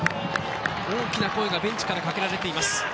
大きな声がベンチからかけられています。